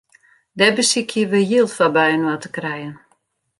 Dêr besykje we jild foar byinoar te krijen.